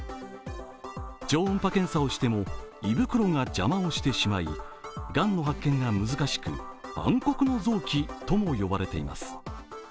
超音波検査をしても胃袋が邪魔をしてしまい、がんの発見が難しく、暗黒の臓器とも呼ばれています。